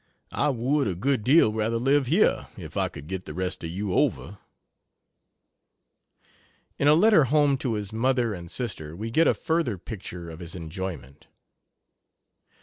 I would a good deal rather live here if I could get the rest of you over." In a letter home, to his mother and sister, we get a further picture of his enjoyment.